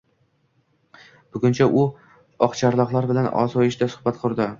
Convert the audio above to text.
Bungacha u oqcharloqlar bilan osoyishta suhbat qurdi